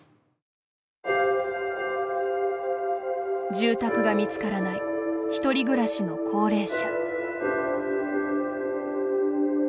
住宅が見つからない１人暮らしの高齢者。